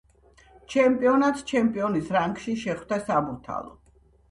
ჩემპიონატს ჩემპიონის რანგში შეხვდა „საბურთალო“.